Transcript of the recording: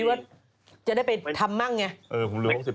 อ๋อคิดว่าจะได้ไปทำมั่งไง